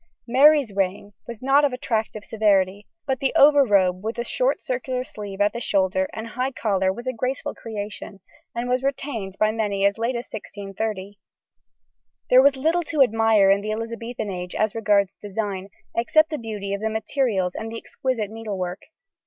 Mary's reign was not of attractive severity, but the over robe with the short circular sleeve at the shoulder and high collar was a graceful creation, and was retained by many as late as 1630. There was little to admire in the Elizabethan age as regards design, except the beauty of the materials and the exquisite needlework.